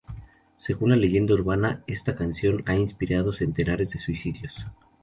Según la leyenda urbana, esta canción ha inspirado centenares de suicidios.